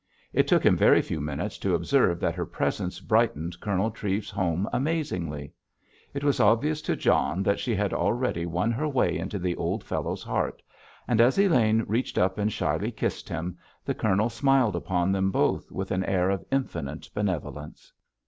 It took him very few minutes to observe that her presence brightened Colonel Treves's home amazingly. It was obvious to John that she had already won her way into the old fellow's heart, and as Elaine reached up and shyly kissed him, the Colonel smiled upon them both with an air of infinite benevolence.